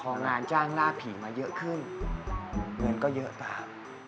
พองานจ้างราผิมาเยอะขึ้นเหมือนก็เยอะต่ำ